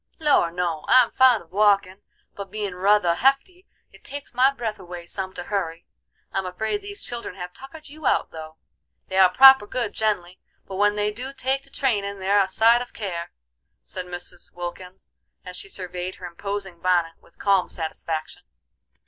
"Lor', no, I'm fond of walkin', but bein' ruther hefty it takes my breath away some to hurry. I'm afraid these children have tuckered you out though. They are proper good gen'lly, but when they do take to trainen they're a sight of care," said Mrs. Wilkins, as she surveyed her imposing bonnet with calm satisfaction.